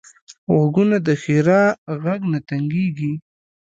غوږونه د ښیرا غږ نه تنګېږي